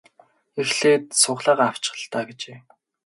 Эхлээд сугалаагаа авчих л даа гэжээ.